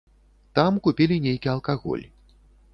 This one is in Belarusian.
Там купілі нейкі алкаголь.